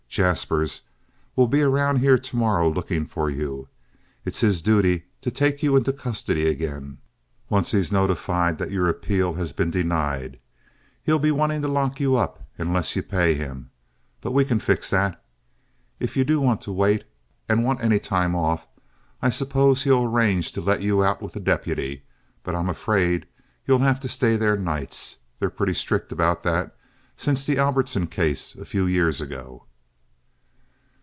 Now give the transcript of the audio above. Jaspers will be around here tomorrow looking for you. It's his duty to take you into custody again, once he's notified that your appeal has been denied. He'll be wanting to lock you up unless you pay him, but we can fix that. If you do want to wait, and want any time off, I suppose he'll arrange to let you out with a deputy; but I'm afraid you'll have to stay there nights. They're pretty strict about that since that Albertson case of a few years ago."